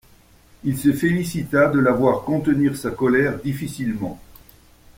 Il se félicita de la voir contenir sa colère difficilement.